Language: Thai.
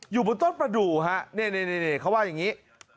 อยู่บนต้นประดูกฮะนี่เขาว่าอย่างนี้